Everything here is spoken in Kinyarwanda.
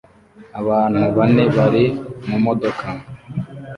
Abantu bane bari mumodoka